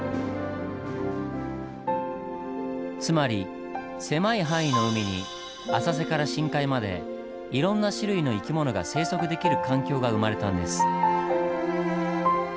つまり狭い範囲の海に浅瀬から深海までいろんな種類の生き物が生息できる環境が生まれたんです。